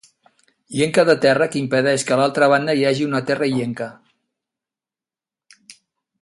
Llenca de terra que impedeix que a l'altra banda hi hagi una terra illenca.